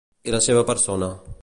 I la seva persona?